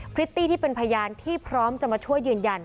พริตตี้ที่เป็นพยานที่พร้อมจะมาช่วยยืนยัน